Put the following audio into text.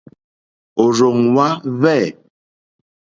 Òrzòŋwá hwɛ̂.